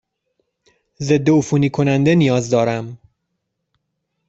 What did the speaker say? ضدعفونی کننده نیاز دارم.